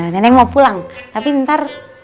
nenek mau pulang tapi ntar